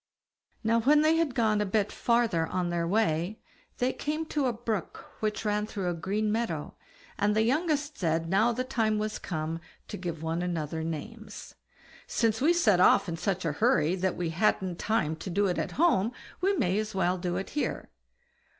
Now when they had gone a bit farther on their way, they came to a brook which ran through a green meadow, and the youngest said now the time was come to give one another names, "Since we set off in such a hurry that we hadn't time to do it at home, we may as well do it here."